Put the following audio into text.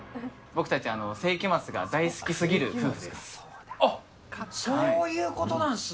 僕たち、聖飢魔ＩＩが大好きすぎる夫婦です。